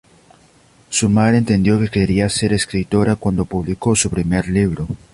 Su madre entendió que quería ser escritora cuando publicó su primer libro.